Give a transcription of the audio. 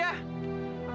apa sih hebatnya dia